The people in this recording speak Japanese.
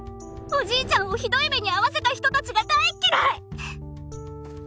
おじいちゃんをひどい目に遭わせた人たちが大嫌い！